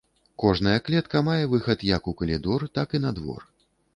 Кожная клетка мае выхад як у калідор, так і на двор.